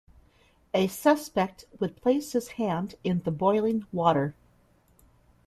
A suspect would place his hand in the boiling water.